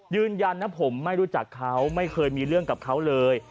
ยืนยันนะผมไม่รู้จักเขาไม่เคยมีเรื่องกับเขาเลย